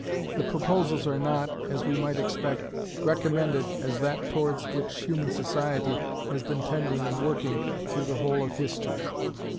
The proposals are not, as we might expect, recommended as that towards which human society has been tending and working through the whole of history.